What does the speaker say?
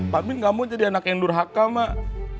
pak arwin gak mau jadi anak yang durhaka mak